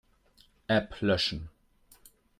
App löschen.